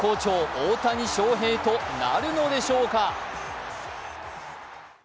・大谷翔平となるのでしょうか。